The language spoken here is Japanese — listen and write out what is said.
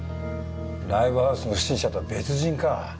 ライブハウスの不審者とは別人か。